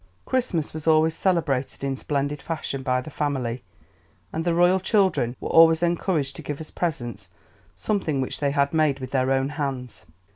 Christmas was always celebrated in splendid fashion by the family, and the royal children were always encouraged to give as presents something which they had made with their own hands.